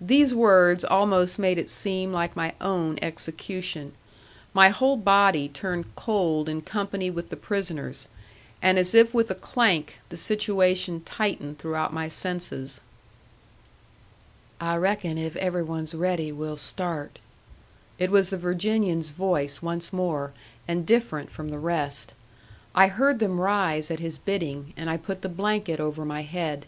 These words almost made it seem like my own execution. My whole body turned cold in company with the prisoner's, and as if with a clank the situation tightened throughout my senses. "I reckon if every one's ready we'll start." It was the Virginian's voice once more, and different from the rest. I heard them rise at his bidding, and I put the blanket over my head.